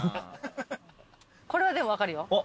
これはでも分かるよ。